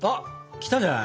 きたんじゃない？